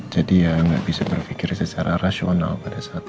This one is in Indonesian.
jadi ya gak bisa berpikir secara rasional pada saat itu